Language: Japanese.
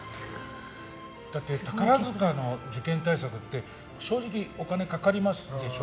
宝塚の受験対策って正直、お金かかりますでしょ？